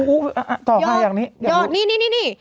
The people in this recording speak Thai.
อู้วต่อพลาดอย่างนี้